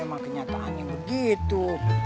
emang kenyataannya begitu